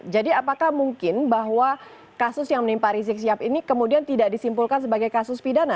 jadi apakah mungkin bahwa kasus yang menimpa rizik syihab ini kemudian tidak disimpulkan sebagai kasus pidana